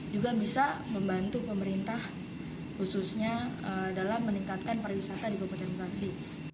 juga bisa membantu pemerintah khususnya dalam meningkatkan pariwisata di kabupaten bekasi